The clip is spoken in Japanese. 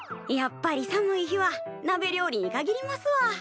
やっぱり寒い日はなべ料理にかぎりますわ。